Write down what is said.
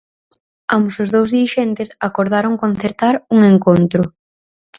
Ambos os dous dirixentes acordaron concertar un encontro.